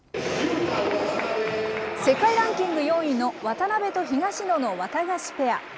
世界ランキング４位の渡辺と東野のワタガシペア。